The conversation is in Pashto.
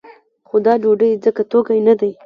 خو دا ډوډۍ ځکه توکی نه دی.